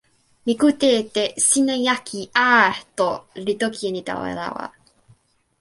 mi kute e te "sina jaki a" to li toki e ni tawa lawa.